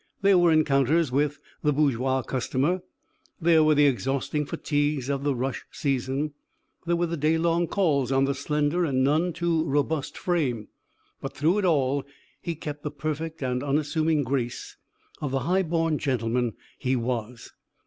There were encounters with the bourgeois customer, there were the exhausting fatigues of the rush season, there were the day long calls on the slender and none too robust frame. But through it all he kept the perfect and unassuming grace of the high born gentleman he was.